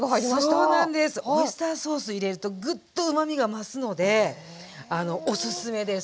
オイスターソース入れるとグッとうまみが増すのでおすすめです。